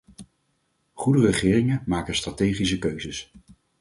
Goede regeringen maken strategische keuzes.